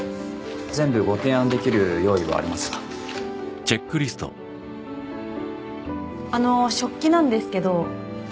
全部ご提案できる用意はありますがあの食器なんですけどはい